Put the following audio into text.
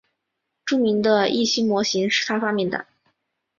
著名的易辛模型是他发明的。